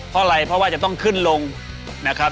เพราะอะไรเพราะว่าจะต้องขึ้นลงนะครับ